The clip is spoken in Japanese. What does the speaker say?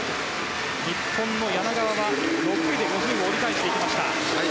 日本の柳川は６位で５０を折り返していきました。